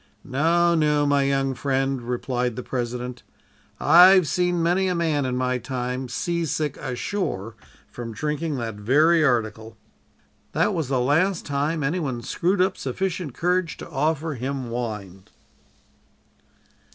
"'No, no, my young friend,' replied the President, 'I've seen many a man in my time seasick ashore from drinking that very article.' "That was the last time any one screwed up sufficient courage to offer him wine."